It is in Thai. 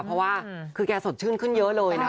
เพราะว่าคือแกสดชื่นขึ้นเยอะเลยนะคะ